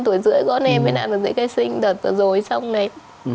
tuổi rưỡi con em mới làm được giấy khai sinh đợt rồi xong này